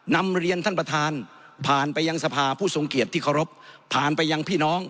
นำเรียนท่านประธานผ่านไปยังสภาผู้ทรงเกียจที่เคารพผ่านไปยังพี่น้อง